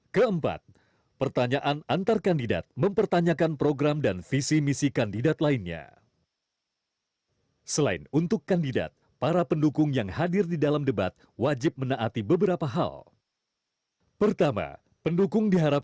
kedua kandidat tidak diperkenankan memberikan pertanyaan yang menyerang personal kandidat